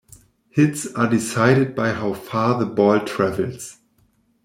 Hits are decided by how far the ball travels.